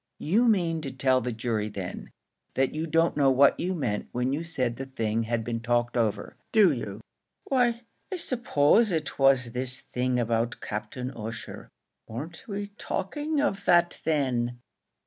"You mean to tell the jury then that you don't know what you meant when you said the thing had been talked over; do you?" "Why, I s'pose it was this thing about Captain Ussher. Weren't we talking of that then?"